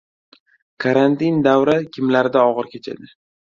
Karantin davri kimlarda og‘ir kechadi?